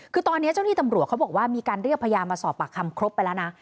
คือตอนนี้เจ้าที่ตำรวจเขาบอกว่ามีการเรียกพยานมาสอบปากคำครบไปแล้วนะ